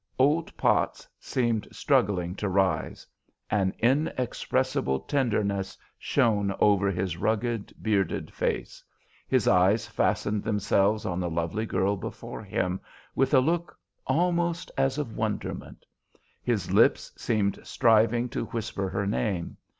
Old Potts seemed struggling to rise; an inexpressible tenderness shone over his rugged, bearded face; his eyes fastened themselves on the lovely girl before him with a look almost as of wonderment; his lips seemed striving to whisper her name.